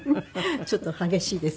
ちょっと激しいです。